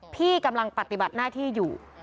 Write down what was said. พี่กำลังปฏิบัติหน้าที่อยู่